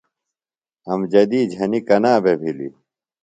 امجدی جھنیۡ کنا بھے بِھلیۡ؟